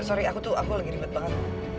sorry aku tuh aku lagi ribet banget